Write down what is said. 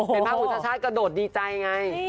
เป็นภาพของคุณชัดชาติกระโดดดีใจไง